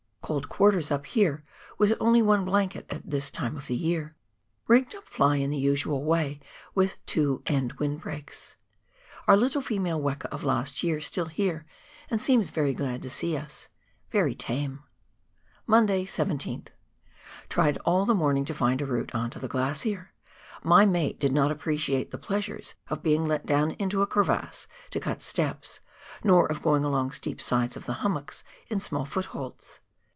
Cold quarters up here with only one blanket at this time of the year. Rigged up fly in the usual way with two end breakwinds. Our little female weka of lust year still here and seems very glad to see us ; very tame. Monday, 11th. — Tried all the morning to find a route on to the glacier. My mate did not appreciate the pleasures of being let down into a crevasse to cut steps, nor of going along steep sides of the hummocks in small footholds.